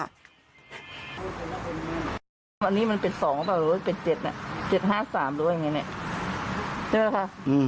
อันนี้มันเป็น๒หรือเป็น๗น่ะ๗๕๓หรือว่าอย่างนี้เนี่ยใช่ไหมคะ